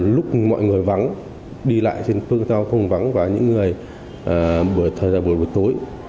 lúc mọi người vắng đi lại trên phương giao không vắng và những người thời gian buổi buổi tối